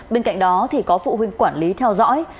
bên cạnh đó thì có phụ huynh quản lý theo dõi